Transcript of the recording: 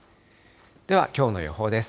では、きょうの予報です。